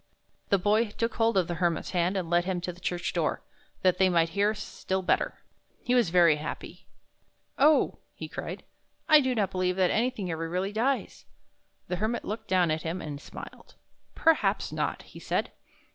" The Boy took hold of the Hermit's hand and led him to the church door, that they might hear still better. He was very happy. 33 THE BOY WHO DISCOVERED THE SPRING " Oh," he cried, " I do not believe that anything ever really dies." The Hermit looked down at him and smiled. " Perhaps not," he said.